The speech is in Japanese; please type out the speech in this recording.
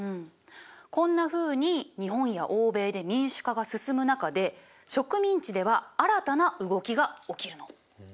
こんなふうに日本や欧米で民主化が進む中で植民地では新たな動きが起きるの。